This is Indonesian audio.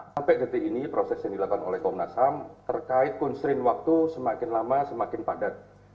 sampai detik ini proses yang dilakukan oleh komnas ham terkait kunsrin waktu semakin lama semakin padat